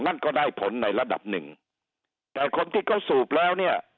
นั่นก็ได้ผลในระดับหนึ่งแต่คนที่เขาสูบแล้วเนี่ย